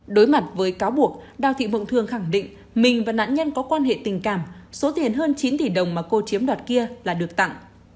đối mặt với cáo buộc đào thị mộng thương khẳng định mình và nạn nhân có quan hệ tình cảm số tiền hơn chín tỷ đồng mà cô chiếm đoạt kia là được tặng